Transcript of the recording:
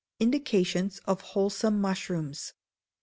Indications of Wholesome Mushrooms.